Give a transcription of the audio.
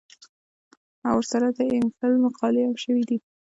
او ورسره د ايم فل مقالې هم شوې دي